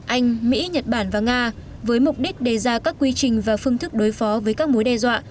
anh mỹ nhật bản và nga với mục đích đề ra các quy trình và phương thức đối phó với các mối đe dọa